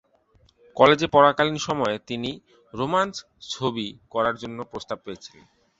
কলেজে পড়াকালীন সময়ে তিনি "রোমান্স ছবি" করার জন্য প্রস্তাব পেয়েছিলেন।